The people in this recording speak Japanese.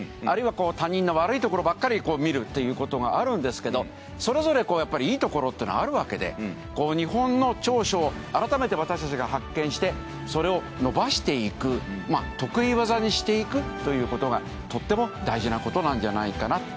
あるいは他人の悪いところばっかり見るっていうことがあるんですけどそれぞれいいところっていうのはあるわけで日本の長所を改めて私たちが発見してそれを伸ばしていく得意技にしていくということがとても大事なことなんじゃないかな。